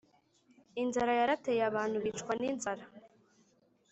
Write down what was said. inzara yarateye abantu bicwa ninzara